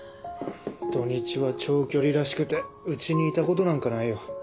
土日は長距離らしくて家にいた事なんかないよ。